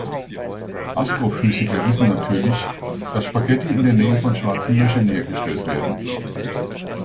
Astrophysiker wissen natürlich, dass Spaghetti in der Nähe von Schwarzen Löchern hergestellt werden.